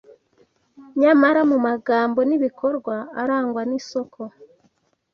nyamara mu magambo n’ibikorwa arangwa n’isoko